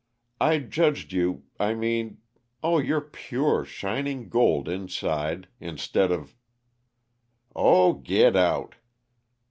I judged you I mean oh, you're pure, shining gold inside, instead of " "Oh, git out!"